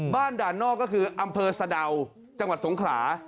ด่านนอกก็คืออำเภอสะดาวจังหวัดสงขลา